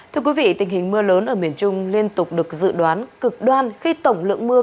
thưa quý vị tình hình mưa lớn ở miền trung liên tục được dự đoán cực đoan khi tổng lượng mưa